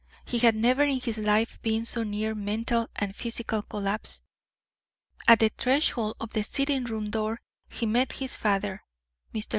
He had never in his life been so near mental and physical collapse. At the threshold of the sitting room door he met his father. Mr.